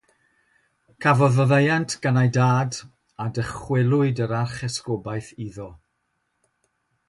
Cafodd faddeuant gan ei dad, a dychwelwyd yr archesgobaeth iddo.